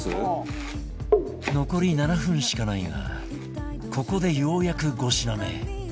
残り７分しかないがここでようやく５品目